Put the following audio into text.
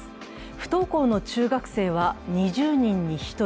不登校の中学生は２０人に１人。